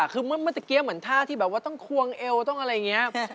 คือเมื่อตะกี้เหมือนท่าที่แบบว่าต้องควงเอวต้องอะไรอย่างนี้